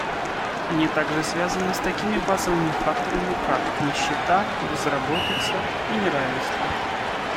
Они также связаны с такими базовыми факторами, как нищета, безработица и неравенство.